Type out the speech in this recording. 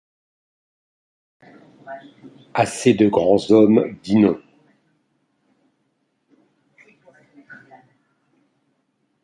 Assez de grands hommes ! Dînons.